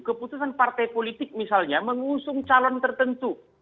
keputusan partai politik misalnya mengusung calon tertentu